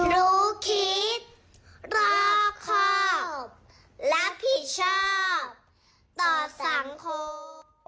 รู้คิดรอคอกรับผิดชอบต่อสังคม